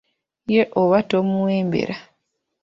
Ye oba tomuwembera.